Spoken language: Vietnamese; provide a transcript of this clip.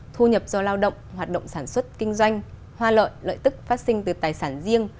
thu nhập do lao động hoạt động sản xuất kinh doanh hoa lợi lợi tức phát sinh từ tài sản riêng